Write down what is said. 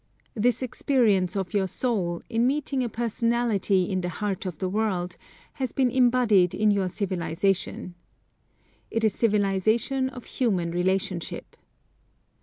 This experience of your soul, in meeting a personality in the heart of the world, has been embodied in your civilisation. It is civilisation of human relationship.